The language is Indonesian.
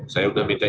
saya sudah minta isi